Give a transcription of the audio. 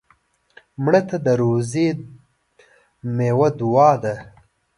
مړه ته د روژې میوه دعا ده